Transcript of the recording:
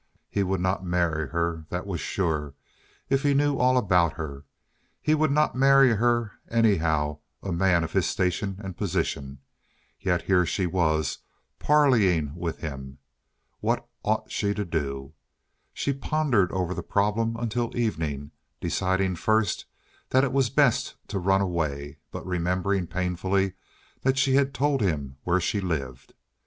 He would not marry her, that was sure, if he knew all about her. He would not marry her, anyhow, a man of his station and position. Yet here she was parleying with him. What ought she to do? She pondered over the problem until evening, deciding first that it was best to run away, but remembering painfully that she had told him where she lived.